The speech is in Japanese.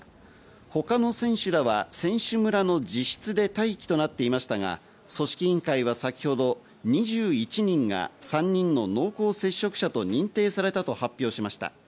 他の選手らは選手村の自室で待機となっていましたが、組織委員から先ほど２１人が３人の濃厚接触者と認定されたと発表しました。